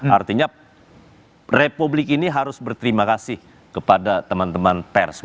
artinya republik ini harus berterima kasih kepada teman teman pers